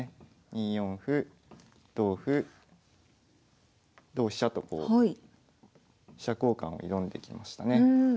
２四歩同歩同飛車とこう飛車交換を挑んできましたね。